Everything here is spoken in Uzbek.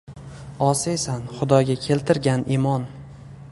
-Osiysan, xudoga keltirgan imon!